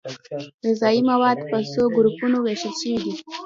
غذايي مواد په څو ګروپونو ویشل شوي دي